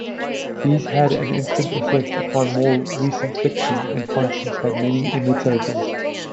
These had an instant effect upon more recent fiction, and Conscience had many imitators.